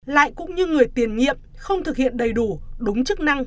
lại cũng như người tiền nhiệm không thực hiện đầy đủ đúng chức năng